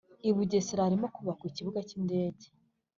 I Bugesera harimo kubakwa ikibuga k ‘indege